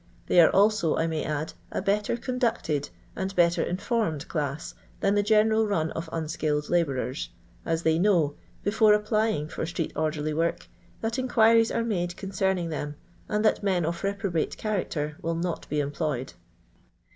They are alM, I may add, a better conducted and better informed class than the general run of unskilled labouren, as they know, before applying for street orderly work, that inquiries are made concerning them, and that men of reprobate character will not be employed.